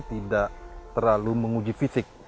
tidak terlalu menguji fisik